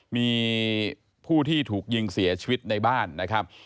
มีผู้ที่ถูกยิงเสียชีวิตในบ้านนะครับ